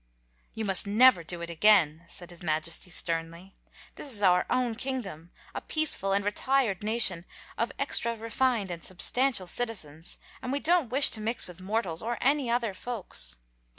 "You must never do it again," said his Majesty, sternly. "This is our own kingdom, a peaceful and retired nation of extra refined and substantial citizens, and we don't wish to mix with mortals, or any other folks."